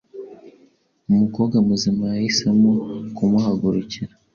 umukobwa muzima yahisemo kumuhagurukira